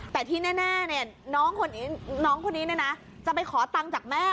แต่ที่แน่เนี่ยน้องคนนี้นะจะไปขอตังจากแม่